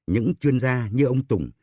những chuyên gia như ông tùng